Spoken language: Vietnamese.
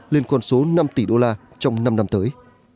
lên con số năm tỷ đô la trong năm năm tới